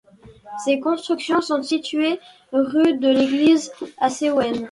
Ces constructions sont situées rue de l'Église à Sewen.